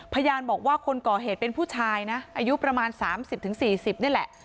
พญานบอกว่าคนก่อเหตุเป็นผู้ชายนะอายุประมาณสามสิบถึงสี่สิบนี่แหละ